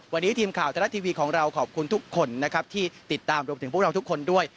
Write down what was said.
วันนี้ทีมข่าวไทยรัฐทีวีของเราขอบคุณทุกคนนะครับที่ติดตามรวมถึงพวกเราทุกคนด้วย